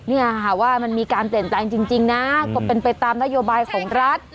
เนี่ยค่ะว่ามันมีการเปลี่ยนแปลงจริงนะก็เป็นไปตามนโยบายของรัฐ